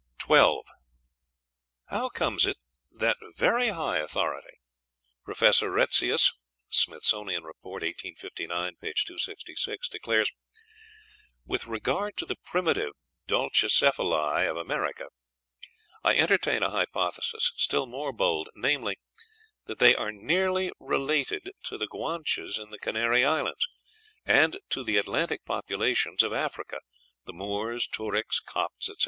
How comes it that that very high authority, Professor Retzius ("Smithsonian Report," 1859, p. 266), declares, "With regard to the primitive dolichocephalæ of America I entertain a hypothesis still more bold, namely, that they are nearly related to the Guanches in the Canary Islands, and to the Atlantic populations of Africa, the Moors, Tuaricks, Copts, etc.